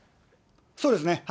そうですね。